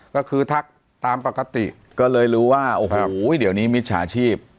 ก็คือทักตามปกติก็เลยรู้ว่าโอ้โหเดี๋ยวนี้มิจฉาชีพ